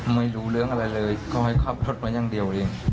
ไม่ได้ผิดเลย